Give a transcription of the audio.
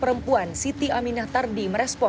pembangunan pemerintah siti aminah tardi